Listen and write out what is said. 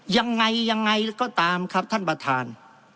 ยังไงยังไงก็ตามครับท่านประธาน